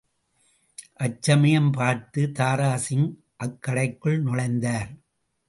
அச்சமயம் பார்த்து தாராசிங் அக்கடைக்குள் நுழைந்தார்.